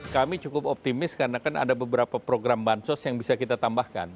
kami cukup optimis karena kan ada beberapa program bansos yang bisa kita tambahkan